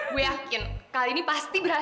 gua yakin kali ini pasti berhasil